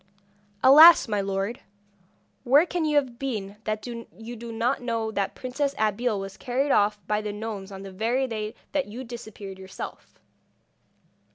'Alas! my lord, where can you have been that you do not know that the Princess Abeille was carried off by the gnomes on the very day that you disappeared yourself?